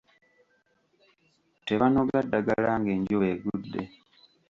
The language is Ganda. Tebanoga ddagala ng’enjuba egudde.